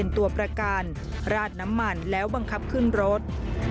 ตัวประกันราดน้ำมันแล้วบังคับขึ้นรถ